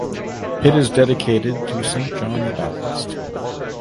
It is dedicated to St John the Baptist.